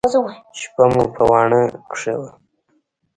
شپه مو په واڼه کښې وه.